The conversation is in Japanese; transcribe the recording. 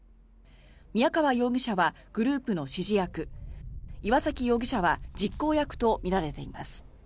宮川容疑者はグループの指示役イワサキ容疑者は実行役とみられています。